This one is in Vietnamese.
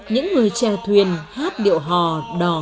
những người che thuyền hát điệu hò đò ngược